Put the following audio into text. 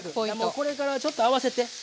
もうこれからちょっと合わせて。